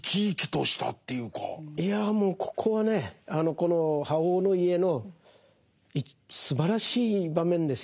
いやもうここはねこの「覇王の家」のすばらしい場面ですよ。